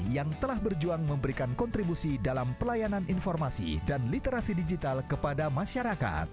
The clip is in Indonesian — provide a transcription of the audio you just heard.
yang telah berjuang memberikan kontribusi dalam pelayanan informasi dan literasi digital kepada masyarakat